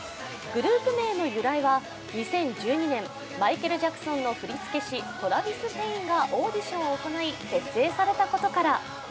グループ名の由来は、２０１２年、マイケル・ジャクソンの振り付け師トラヴィス・ペインがオーディションを行い、結成されたことから。